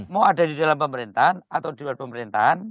mau ada di dalam pemerintahan atau di luar pemerintahan